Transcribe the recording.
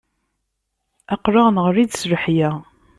Aqlaɣ neɣli-d s leḥya.